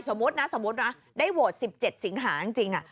สมมุตินะสมมุตินะได้โหวต๑๗สิงหาจริง